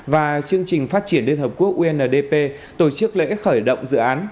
và chương trình phát triển liên hợp quốc undp tổ chức lễ khởi động dự án